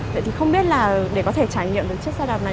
vậy thì không biết là để có thể trải nghiệm được chiếc xe đạp này